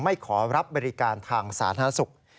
ไม่ขอรับบริการทางสาธารณสุข